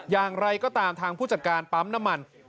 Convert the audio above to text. อย่างไรก็ตามทางผู้จัดการปั๊มน้ำมัน